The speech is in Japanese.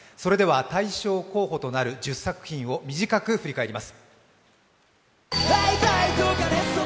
大賞候補となる１０作品を短く振り返ります。